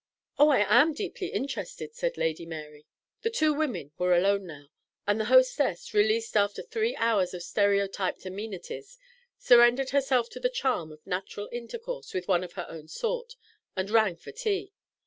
"Oh, I am deeply interested," said Lady Mary. The two women were alone now, and the hostess, released after three hours of stereotyped amenities, surrendered herself to the charm of natural intercourse with one of her own sort, and rang for tea.